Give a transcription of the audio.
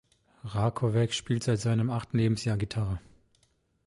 Rakovec spielt seit seinem achten Lebensjahr Gitarre.